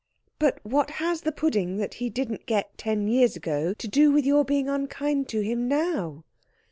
"But what has the pudding that he didn't get ten years ago to do with your being unkind to him now?"